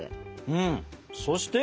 うんそして？